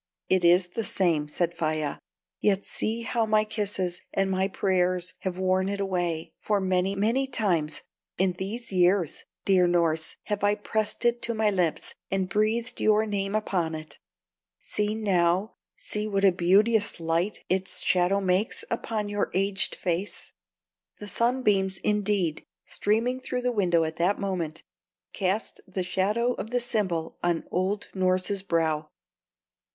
"It is the same." said Faia, "yet see how my kisses and my prayers have worn it away; for many, many times in these years, dear Norss, have I pressed it to my lips and breathed your name upon it. See now see what a beauteous light its shadow makes upon your aged face!" The sunbeams, indeed, streaming through the window at that moment, cast the shadow of the symbol on old Norss's brow.